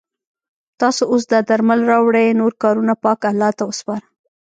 تاسو اوس دا درمل راوړئ نور کارونه پاک الله ته وسپاره.